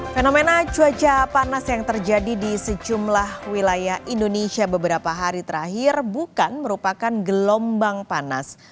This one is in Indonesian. fenomena cuaca panas yang terjadi di sejumlah wilayah indonesia beberapa hari terakhir bukan merupakan gelombang panas